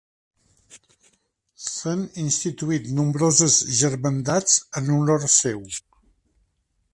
S'han instituït nombroses germandats en honor seu.